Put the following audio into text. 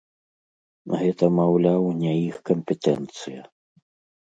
Гэта, маўляў, не іх кампетэнцыя.